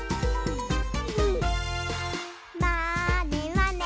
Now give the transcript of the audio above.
「まーねまね」